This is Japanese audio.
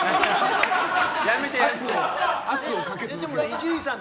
伊集院さん